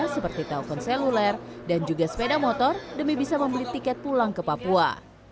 seperti telpon seluler dan juga sepeda motor demi bisa membeli tiket pulang ke papua